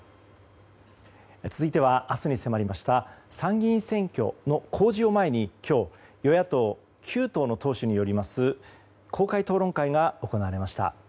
続いては明日に迫りました参議院選挙の公示を前に、今日与野党９党の党首によります公開討論会が行われました。